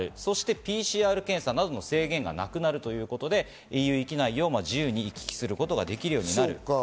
ＰＣＲ検査などの制限もなくなるということでＥＵ域内を自由に行き来できるようになる。